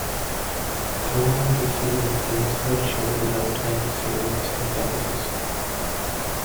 Throughout the season he was virtually without any serious competitors.